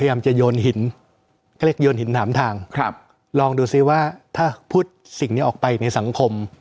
พยายามจะโยนหินเขาเรียกโยนหินถามทางครับลองดูซิว่าถ้าพูดสิ่งนี้ออกไปในสังคม